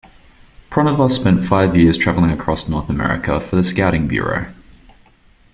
Pronovost spent five years traveling across North America for the Scouting Bureau.